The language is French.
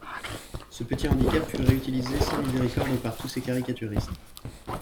Ce petit handicap fut réutilisé sans miséricorde par tous ses caricaturistes.